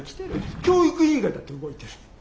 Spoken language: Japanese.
教育委員会だって動いてる。